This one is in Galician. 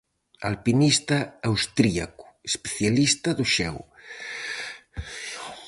Alpinista austríaco, especialista do xeo.